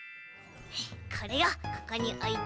これをここにおいて。